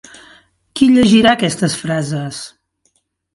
Qui llegirà aquestes frases?